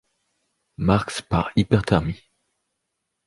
Marks par hyperthermie.